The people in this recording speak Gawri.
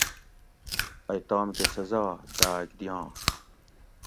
ائ تام کہ سزا داۤگ دیاںش